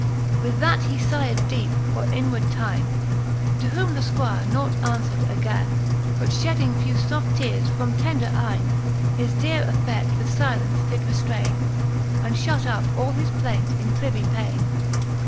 With that he fighed deepe for inward tyne : To whom the Squire nought aunfwered againe, But fhedding few foft teares from tender eyne, His deare affed with filence did reftraine, And fhut up all his plaint in privy paine.